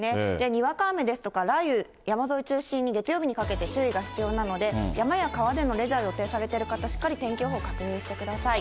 にわか雨ですとか、雷雨、山沿い中心に、月曜日にかけて注意が必要なので、山や川でのレジャーを予定されている方、しっかり天気予報確認してください。